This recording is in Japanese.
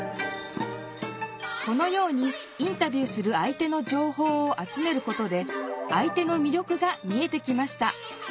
このようにインタビューする相手の情報を集めることで相手のみりょくが見えてきました。